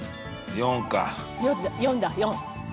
４だ４。